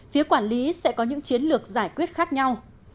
phía quản lý sẽ có những chiến lược giải quyết khác nhau